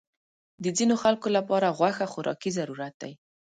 د ځینو خلکو لپاره غوښه خوراکي ضرورت دی.